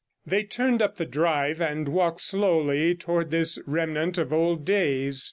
They turned up the drive, and walked slowly towards this remnant of old days.